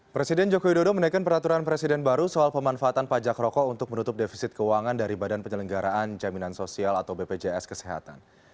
presiden joko widodo menaikkan peraturan presiden baru soal pemanfaatan pajak rokok untuk menutup defisit keuangan dari badan penyelenggaraan jaminan sosial atau bpjs kesehatan